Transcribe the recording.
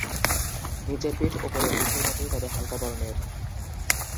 নিচের পিঠ ওপরের পিঠের মতোই, তবে হাল্কা বর্নের।